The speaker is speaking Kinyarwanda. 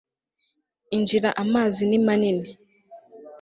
Injira Amazi ni manini